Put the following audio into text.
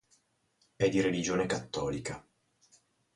È di religione cattolica.